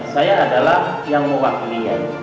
saya adalah yang mewakili